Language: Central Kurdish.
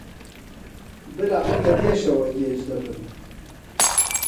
برا من لە پێشەوە گێژ دەبم